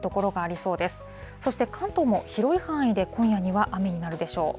そして関東も広い範囲で今夜には雨になるでしょう。